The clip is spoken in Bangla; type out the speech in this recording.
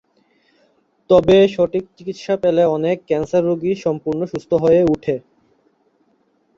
তবে সঠিক চিকিৎসা পেলে অনেক ক্যানসার রোগী সম্পূর্ণভাবে সুস্থ হয়ে ওঠে।